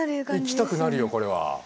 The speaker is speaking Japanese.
行きたくなるよこれは。